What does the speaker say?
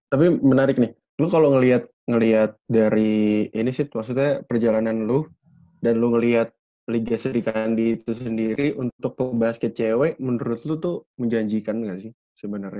tapi menarik nih lo kalau ngeliat dari ini sih maksudnya perjalanan lu dan lu ngelihat liga serikandi itu sendiri untuk basket cewek menurut lo tuh menjanjikan nggak sih sebenarnya